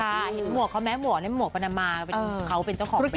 เห็นหมวกเขาไหมหมวกนี่หมวกปนมาเขาเป็นเจ้าของแบรนดี